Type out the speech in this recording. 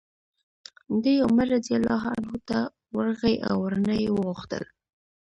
دی عمر رضي الله عنه ته ورغی او ورنه ویې غوښتل